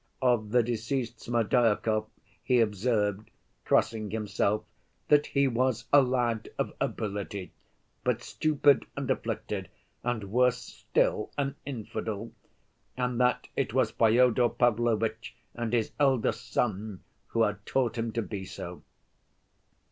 Of the deceased Smerdyakov he observed, crossing himself, that he was a lad of ability, but stupid and afflicted, and, worse still, an infidel, and that it was Fyodor Pavlovitch and his elder son who had taught him to be so.